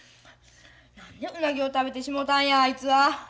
何でウナギを食べてしもたんやあいつは。